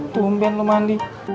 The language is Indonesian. tumpen lu mandi